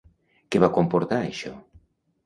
Què va comportar això?